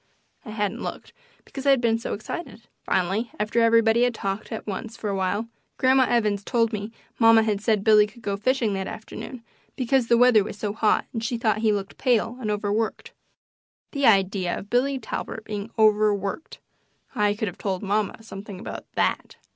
I hadn't looked, because I had been so excited. Finally, after everybody had talked at once for a while. Grandma Evans told me mamma had said Billy could go fishing that afternoon, because the weather was so hot and she thought he looked pale and overworked. The idea of Billy Talbert being overworked! I could have told mamma something about THAT.